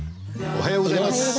おはようございます。